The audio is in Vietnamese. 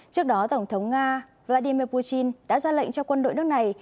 trước đó tổng thống nga vladimir putin đã ra lệnh cho quân đội nước này